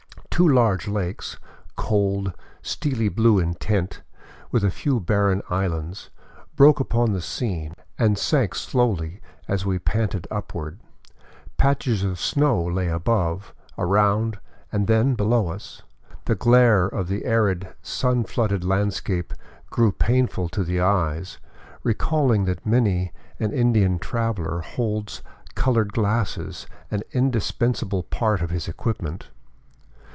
Two large lakes, cold, steely blue in tint, with a few barren islands, broke upon the scene and sank slowly as we panted upward; patches of snow lay above, around, and then below us ; the glare of the arid, sun flooded landscape grew painful to the eyes, recalling that many an Andean traveler holds colored glasses an indispensable part of his equipment.